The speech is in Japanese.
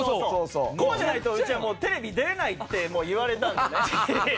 こうじゃないとうちはもうテレビ出れないって言われたんでね。